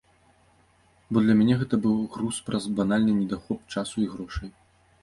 Бо для мяне гэта быў груз праз банальны недахоп часу і грошай.